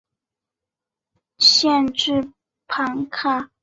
县治庞卡。